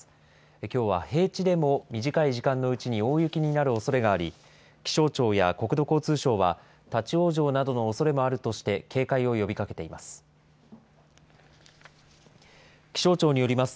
きょうは平地でも短い時間のうちに大雪になるおそれがあり、気象庁や国土交通省は、立往生などのおそれもあるとして、警戒を呼びかけています。